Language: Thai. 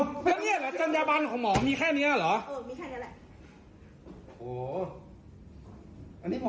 อ้าวแล้วเนี้ยเหรอจังหยาบันของหมอมีแค่เนี้ยเหรอเออมีแค่เนี้ยแหละ